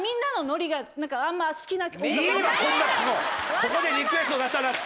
ここでリクエスト出さなくて。